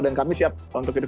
dan kami siap untuk itu